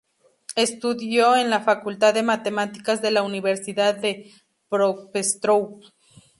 Estudió en la facultad de matemáticas de la Universidad de Dnipropetrovsk.